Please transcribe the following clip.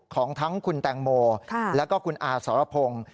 ของทั้งคุณแตงโมแล้วก็คุณอาสรพงศ์